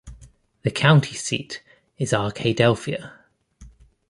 The county seat is Arkadelphia.